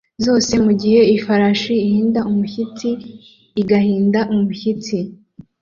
zose mugihe ifarashi ihinda umushyitsi igahinda umushyitsi